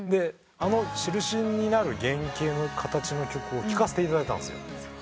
『しるし』になる原形の形の曲を聞かせていただいたんですよ。